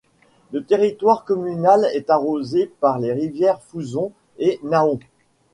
Le territoire communal est arrosé par les rivières Fouzon et Nahon.